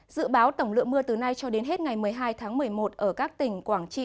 dự báo tổng lượng mưa từ nay cho đến hết ngày một mươi hai tháng một mươi một ở các tỉnh quảng trị